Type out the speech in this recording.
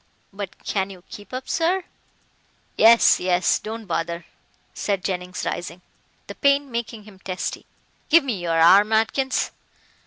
"But can you keep up, sir?" "Yes, yes don't bother," said Jennings, rising, the pain making him testy, "give me your arm, Atkins.